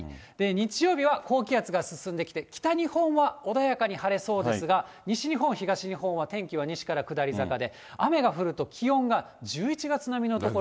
日曜日は高気圧進んできて、北日本は穏やかに晴れそうですが、西日本、東日本は天気は西から下り坂で、雨が降ると気温が１１月並みの所が。